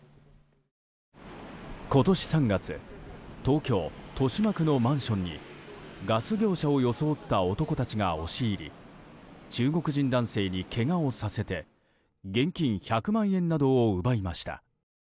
今年３月東京・豊島区のマンションにガス業者を装った男たちが押し入り中国人男性にけがをさせて現金１００万円などを奪いました。